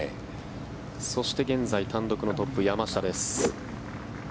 そして現在、単独のトップ山下です。